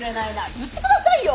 言って下さいよ。